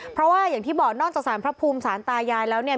เพราะว่าอย่างที่บอกนอกจากสารพระภูมิสารตายายแล้วเนี่ย